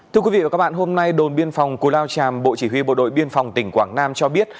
thưa quý vị và các bạn hôm nay đồn biên phòng cù lao tràm bộ chỉ huy bộ đội biên phòng tỉnh quảng nam cho biết